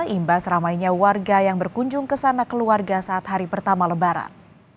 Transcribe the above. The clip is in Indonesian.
imbas ramainya warga yang berkunjung ke sana keluarga saat hari pertama lebaran